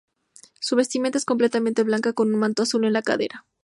Su vestimenta es completamente blanca con un manto azul en la cadera.